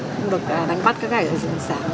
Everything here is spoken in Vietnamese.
không được đánh bắt các hải sản